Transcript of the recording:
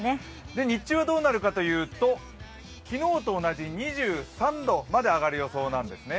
日中はどうなるかというと昨日と同じ２３度まで上がる予想なんですね。